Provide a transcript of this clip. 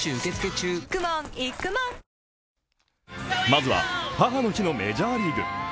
まずは、母の日のメジャーリーグ。